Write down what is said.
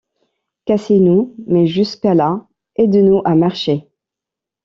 cassez-nous, mais jusque-là aidez-nous à marcher.